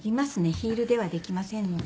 ヒールではできませんので。